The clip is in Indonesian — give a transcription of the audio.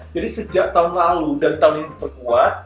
jadi sejak tahun lalu dan tahun ini berkuat